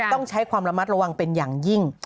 ต้องใช้ความระมัดระวังเป็นอย่างยิ่ง